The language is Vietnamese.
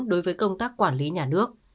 đối với công tác quản lý nhà nước